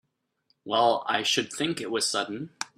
Well I should think it was sudden!